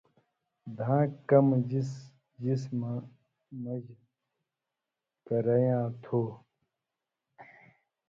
دھان٘کہ کمہۡ جسمہ مژ کریا تُھو